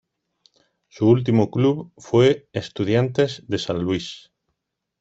Su último club fue Estudiantes de San Luis.